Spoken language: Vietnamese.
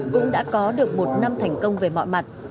cũng đã có được một năm thành công về mọi mặt